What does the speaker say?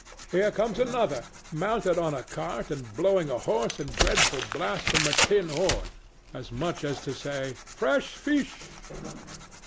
Here comes another, mounted on a cart and blowing a hoarse and dreadful blast from a tin horn, as much as to say, "Fresh fish!"